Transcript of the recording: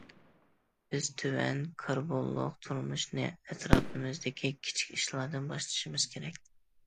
بىز تۆۋەن كاربونلۇق تۇرمۇشنى ئەتراپىمىزدىكى كىچىك ئىشلاردىن باشلىشىمىز كېرەك.